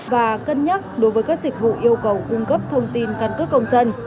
và cân nhắc đối với các dịch vụ yêu cầu cung cấp thông tin căn cước công dân